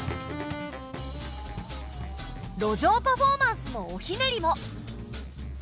路上パフォーマンスのおひねりも。